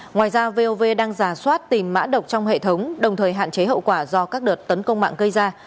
ngoài ra vov đang giả soát tìm mã độc trong hệ thống đồng thời hạn chế hậu quả do các đợt tấn công mạng gây ra